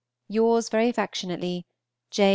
Yours very affectionately, J.